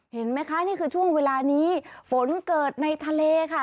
เห็นไหมคะนี่คือช่วงเวลานี้ฝนเกิดในทะเลค่ะ